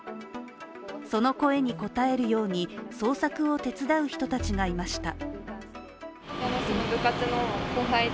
その声に応えるように捜索を手伝う人たちがいました。